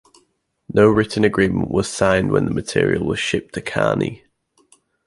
No written agreement was signed when the material was shipped to Carney.